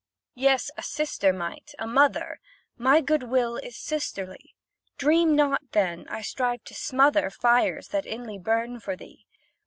Yes a sister might, a mother: My good will is sisterly: Dream not, then, I strive to smother Fires that inly burn for thee.